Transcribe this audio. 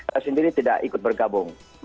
saya sendiri tidak ikut bergabung